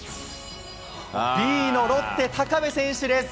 Ｂのロッテ、高部選手です。